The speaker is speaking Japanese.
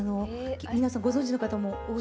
皆さんご存じの方も多い。